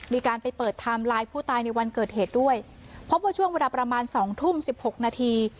มีการไปเปิดไทม์ไลน์ผู้ตายในวันเกิดเหตุด้วยพบว่าช่วงเวลาประมาณสองทุ่มสิบหกนาที